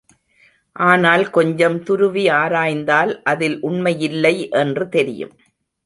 ஆனால் கொஞ்சம் துருவி ஆராய்ந்தால் அதில் உண்மையில்லை என்று தெரியும்.